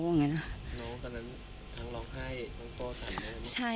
น้องตอนนั้นทั้งร้องไห้ทั้งต่อสั่นไห้